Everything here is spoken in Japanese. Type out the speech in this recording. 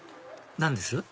何です？